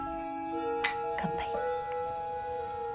乾杯。